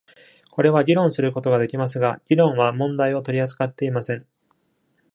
これは議論することができますが、議論は問題を取り扱っていません。